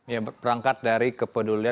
ya berangkat dari kepedulian